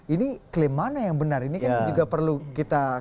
ini klaim mana yang benar ini kan juga perlu kita